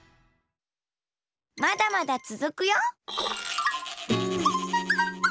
まだまだつづくよ！